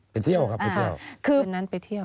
ไปเที่ยวครับไปเที่ยว